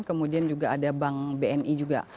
kemudian juga ada bank bni juga